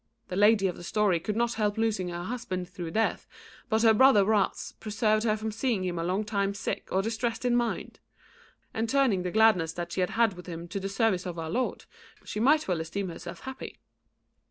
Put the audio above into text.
The lady of the story could not help losing her husband through death, but her brother's wrath preserved her from seeing him a long time sick or distressed in mind. And turning the gladness that she had had with him to the service of Our Lord, she might well esteem herself happy."